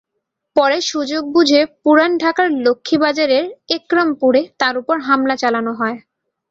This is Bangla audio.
পরে সুযোগ বুঝে পুরান ঢাকার লক্ষ্মীবাজারের একরামপুরে তাঁর ওপর হামলা চালানো হয়।